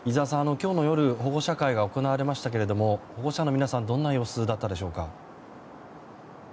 今日の夜、保護者会が行われましたけども保護者の皆さんはどんな様子だったでしょうか？